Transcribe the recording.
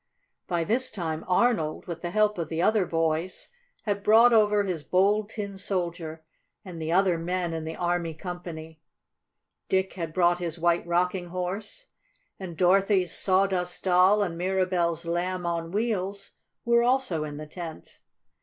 By this time Arnold, with the help of the other boys, had brought over his Bold Tin Soldier and the other men in the army company; Dick had brought his White Rocking Horse; and Dorothy's Sawdust Doll and Mirabell's Lamb on Wheels were also in the tent.